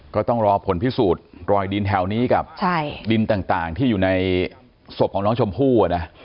ก็ต้องรอผลพิสูจน์รอยดินแถวนี้กับดินต่างที่อยู่ในศพของน้องชมพู่นะ